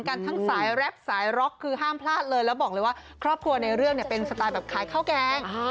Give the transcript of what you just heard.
กันทั้งสายแรปสายร็อกคือห้ามพลาดเลยแล้วบอกเลยว่าครอบครัวในเรื่องเนี่ยเป็นสไตล์แบบขายข้าวแกง